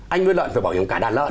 anh nuôi lợn phải bảo hiểm cả đàn lợn